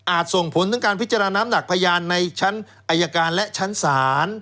ส่งผลถึงการพิจารณาน้ำหนักพยานในชั้นอายการและชั้นศาล